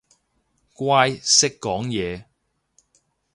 乖，識講嘢